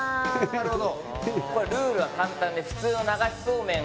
なるほど！